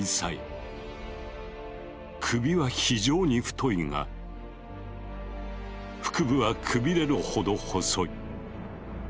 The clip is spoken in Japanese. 首は非常に太いが腹部はくびれるほど細い。